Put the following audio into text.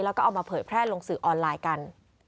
แล้วก็เอามาเผยแพร่ลงสื่อออนไลน์กัน